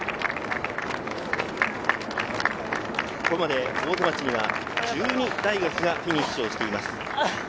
ここまで大手町には１２大学がフィニッシュしています。